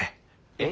え！？